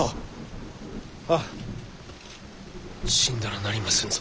死んだらなりませんぞ。